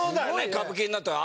歌舞伎になったら。